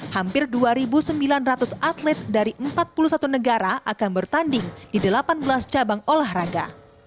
hampir dua sembilan ratus atlet dari empat puluh satu negara akan bertanding di delapan belas cabang olahraga